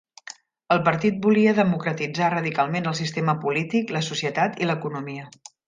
El partit volia democratitzar radicalment el sistema polític, la societat i l'economia.